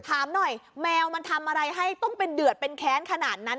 ถามหน่อยแมวมันทำอะไรให้ต้องเป็นเดือดเป็นแค้นขนาดนั้น